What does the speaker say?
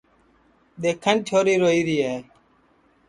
دؔیکھن چھوری روئیری ہے